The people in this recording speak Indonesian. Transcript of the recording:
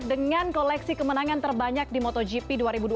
dengan koleksi kemenangan terbanyak di motogp dua ribu dua puluh